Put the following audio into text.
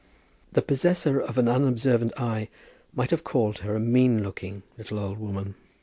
The possessor of an unobservant eye might have called her a mean looking, little old woman.